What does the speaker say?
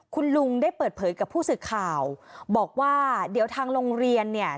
คุณลุงได้เปิดเผยกับผู้สื่อข่าวบอกว่าเดี๋ยวทางโรงเรียนเนี่ย